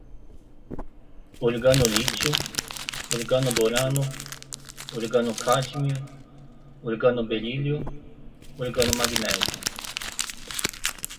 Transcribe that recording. organolítio, organoborano, organocádmio, organoberílio, organomagnésio